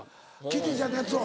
キティちゃんのやつを。